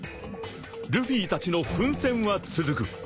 ［ルフィたちの奮戦は続く］